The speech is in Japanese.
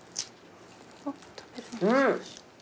うん！